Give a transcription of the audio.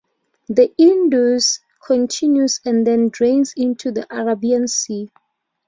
The Indus continues and then drains into the Arabian Sea.